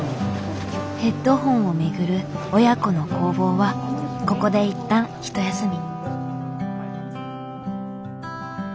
ヘッドホンをめぐる親子の攻防はここで一旦ひと休み。